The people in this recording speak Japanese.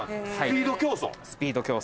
スピード競争？